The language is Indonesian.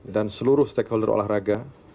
dan seluruh stakeholder olahraga